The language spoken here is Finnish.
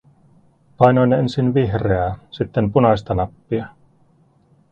Painoin ensin vihreää, sitten punaista nappia.